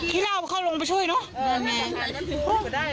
ที่เล่าเขาลงไปช่วยเนอะ